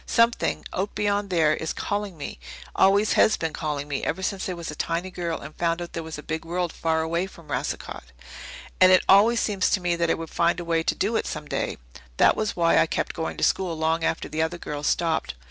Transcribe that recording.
Something out beyond there is calling me, always has been calling me ever since I was a tiny girl and found out there was a big world far away from Racicot. And it always seemed to me that I would find a way to it some day. That was why I kept going to school long after the other girls stopped.